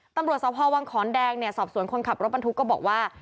ตำรวจสภวังขอนแดงเนี่ยสอบสวนคนขับรถบรรทุกก็บอกว่า